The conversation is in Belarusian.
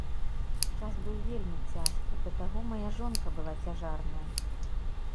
Час быў вельмі цяжкі, да таго мая жонка была цяжарная.